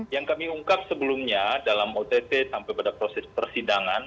yang kami ungkap sebelumnya dalam ott sampai pada proses persidangan